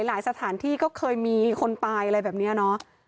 สถานที่ก็เคยมีคนตายอะไรแบบนี้เนาะ